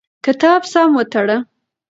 کتاب سم وتړه.